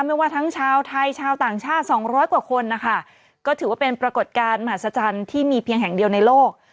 ไม่ว่าทั้งชาวไทยชาวต่างชาติสองร้อยกว่าคนนะคะก็ถือว่าเป็นปรากฏการณ์มหัศจรรย์ที่มีเพียงแห่งเดียวในโลก